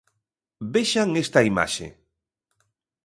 Vexan esta imaxe.